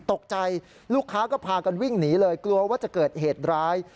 ตกใจลูกค้าก็พากันวิ่งหนีเลยกลัวว่าจะเกิดเหตุร้าย